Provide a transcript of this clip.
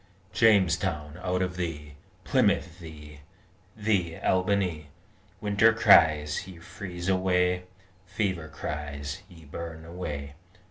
Jamestown, out of thee Plymouth, thee thee, Albany Winter cries, Ye freeze: away! Fever cries, Ye burn: away!